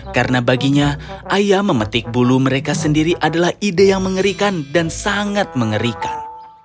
karena baginya ayam memetik bulu mereka sendiri adalah ide yang mengerikan dan sangat mengerikan